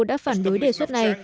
đã phản đối đề xuất này